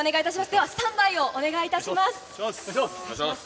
では、スタンバイをお願いいたしお願いします。